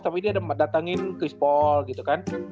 tapi dia datangin chris paul gitu kan